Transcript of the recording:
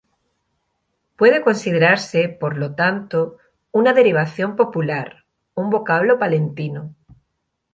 Puede considerase, por lo tanto, una derivación popular, un vocablo palentino.